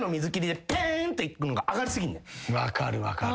分かる分かる。